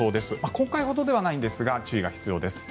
今回ほどではないんですが注意が必要です。